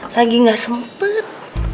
lagi gak sempet